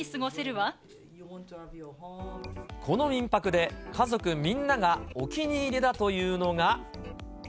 この民泊で、家族みんながお気に入りだというのが。